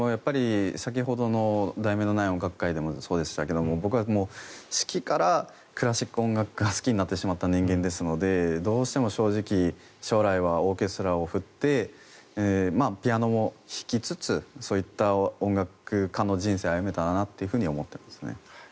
先ほどの「題名のない音楽会」でもそうでしたけど僕は指揮からクラシック音楽が好きになってしまった人間ですのでどうしても正直将来はオーケストラを振ってピアノも弾きつつそういった音楽家の人生を歩めたらなと思っていますね。